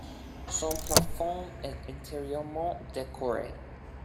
Son plafond est entièrement décoré.